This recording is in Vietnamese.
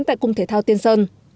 tại cung thể thao tiên sơn